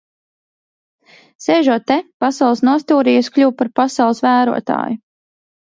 Sēžot te pasaules nostūrī, es kļuvu par pasaules vērotāju.